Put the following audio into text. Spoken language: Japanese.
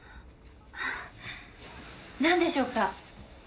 なんでしょうか？